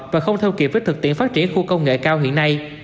và không theo kịp với thực tiễn phát triển khu công nghệ cao hiện nay